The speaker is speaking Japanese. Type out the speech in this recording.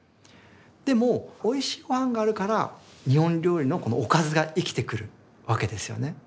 でもおいしいごはんがあるから日本料理のおかずが生きてくるわけですよね。